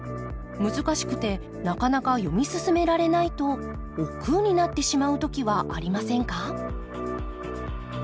難しくてなかなか読み進められないとおっくうになってしまう時はありませんか？